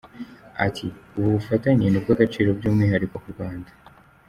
Ati "Ubu bufatanye ni ubw’agaciro by’umwihariko ku Rwanda.